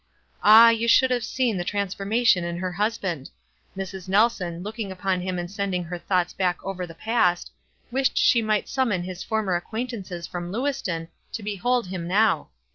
Ah, you should have seen the trans formation in her husband ! Mrs. Nelson, look 382 WISE AND OTHEKWISE. ing upon him and sending her thoughts back over the past, wished she might summon his former acquaintances from Lewiston to behold him now.